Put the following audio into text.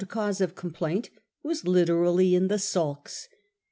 cause of complaint, was literally in the sulks.